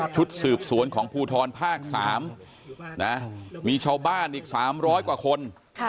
ชุดสืบสวนของภูทรภาค๓มีชาวบ้านอีก๓๐๐กว่าคน